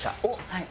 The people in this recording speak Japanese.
はい。